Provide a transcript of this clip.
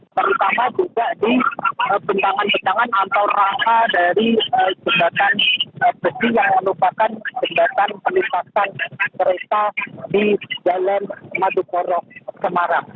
terutama juga di bentangan bentangan antara raka dari jendakan besi yang merupakan jendakan penipasan kereta di jalan madukoro semarang